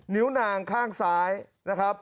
นิ้วนางข้างซ้ายนะครับ